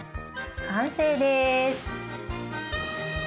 完成です。